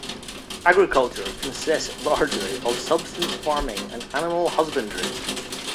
Agriculture consists largely of subsistence farming and animal husbandry.